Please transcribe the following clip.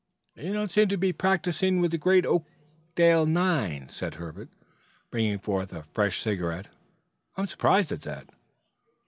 "You don't seem to be practicing with the great Oakdale nine," said Herbert, bringing forth a fresh cigarette. "I'm surprised at that."